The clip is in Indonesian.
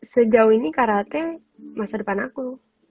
sejauh ini karate masa depan aku